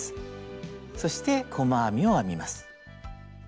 そして細編みを編みます。